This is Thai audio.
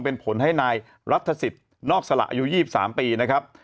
เป็นผลให้นายรัฐสิทธิ์นอกสละอายุ๒๓ปีนะครับ